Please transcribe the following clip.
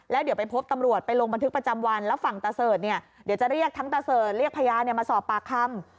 แล้วเดี๋ยวไปพบตำรวจไปลงบันทึกประจำวันแล้วฝั่งตะเสิร์ชเนี่ยเดี๋ยวจะเรียกทั้งตะเสิร์ตเรียกพญามาสอบปากคำ